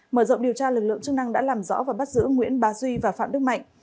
mở rộng điều tra lực lượng chức năng đã làm rõ và bắt giữ nguyễn bà duy và phạm đức mạnh